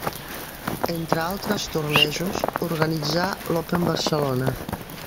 Entre altres tornejos, organitzà l'Open Barcelona.